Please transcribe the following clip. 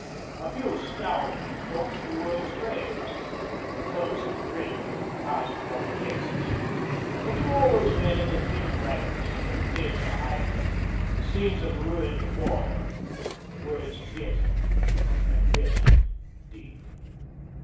A few scowled at the thoughts the words raised, the most grinned and passed rough jests; but to all those men in the thinned ranks, their dead behind them, the scenes of ruin before them, the words bit, and bit deep.